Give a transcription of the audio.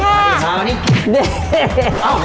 อร่อยมาก